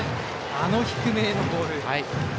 あの低めへのボール。